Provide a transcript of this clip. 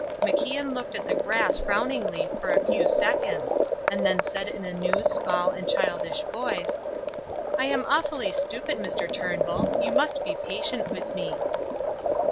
MacIan looked at the grass frowningly for a few seconds, and then said in a new, small and childish voice: "I am awfully stupid, Mr. Turnbull; you must be patient with me."